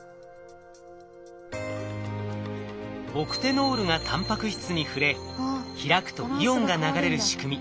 オクテノールがタンパク質に触れ開くとイオンが流れる仕組み。